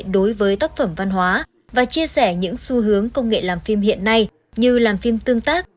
đối với tác phẩm văn hóa và chia sẻ những xu hướng công nghệ làm phim hiện nay như làm phim tương tác